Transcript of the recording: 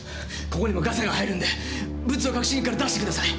ここにもガサが入るんでブツを隠しに行くから出してください！